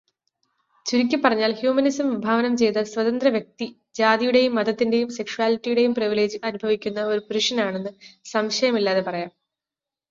ചുരുക്കിപ്പറഞ്ഞാൽ ഹ്യൂമനിസം വിഭാവനം ചെയ്ത 'സ്വതന്ത്രവ്യക്തി' ജാതിയുടെയും മതത്തിന്റെയും സെക്ഷ്വാലിറ്റിയുടെയും പ്രിവിലേജ് അനുഭവിക്കുന്ന ഒരു പുരുഷനാണെന്ന് സംശയമില്ലാതെ പറയാം.